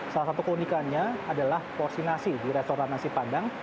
salah satu keunikannya adalah porsi nasi di restoran nasi padang